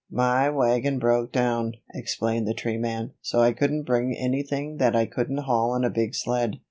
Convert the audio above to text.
"My wagon broke down," explained the tree man, "so I couldn't bring anything that I couldn't haul on a big sled.